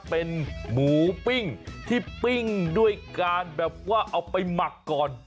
เป็นหมูปิ้งที่ปิ้งด้วยการแบบว่าเอาไปหมักก่อน